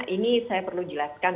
ini saya perlu jelaskan